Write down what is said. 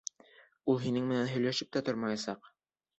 Ул һинең менән һөйләшеп тә тормаясаҡ.